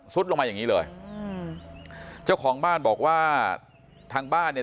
ลงมาอย่างงี้เลยอืมเจ้าของบ้านบอกว่าทางบ้านเนี่ย